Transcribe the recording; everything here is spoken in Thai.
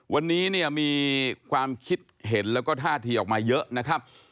วันนี้เนี่ยมีความคิดเห็นแล้วก็ท่าทีออกมาเยอะนะครับ